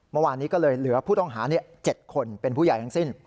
เมื่อวานนี้ก็เลยเหลือผู้ต้องหา๗คนเป็นผู้ใหญ่ทั้งสิ้น